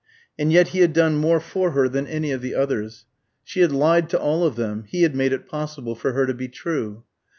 And yet he had done more for her than any of the others. She had lied to all of them; he had made it possible for her to be true.